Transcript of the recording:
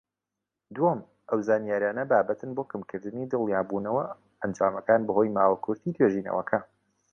دووەم، ئەو زانیاریانە بابەتن بۆ کەمکردنی دڵنیابوونەوە ئەنجامەکان بەهۆی ماوە کورتی توێژینەوەکە.